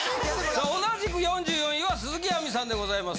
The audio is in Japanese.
同じく４４位は鈴木亜美さんでございます。